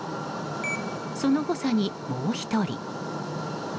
その補佐に、もう１人。